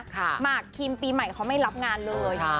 หมากคิมปีใหม่เขาไม่รับงานเลย